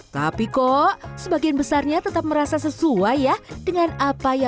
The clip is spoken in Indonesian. tapi kok sebagian besarnya tetap merasa sesuai dengan karakternya